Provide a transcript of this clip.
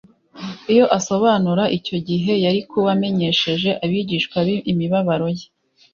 Iyo ayasobanura icyo gihe, yari kuba amenyesheje abigishwa be imibabaro ye,